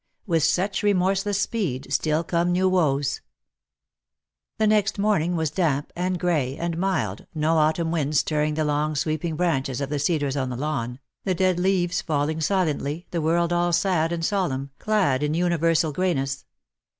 "with such remorseless speed still come NEW woes/' The next morning was damp, and grey, and mild, no autumn wind stirring the long sweeping branches of the cedars on the lawn, the dead leaves falling silently, the world all sad and solemn, clad in uni versal greyness.